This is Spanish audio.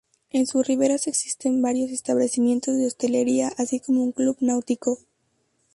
En sus riberas existen varios establecimientos de hostelería, así como un club náutico.